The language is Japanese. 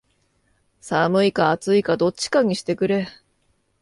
寒いか暑いかどっちかにしてくれ